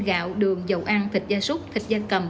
gạo đường dầu ăn thịt da súc thịt da cầm